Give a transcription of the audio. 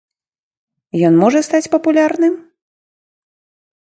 Ён можа стаць папулярным?